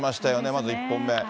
まず１本目。